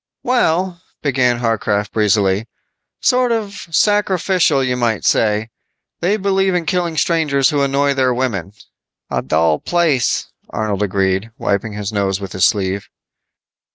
"Well," began Harcraft breezily, "sort of sacrificial you might say. They believe in killing strangers who annoy their women." "A dull place," agreed Arnold, wiping his nose with his sleeve.